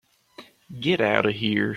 Get out of here.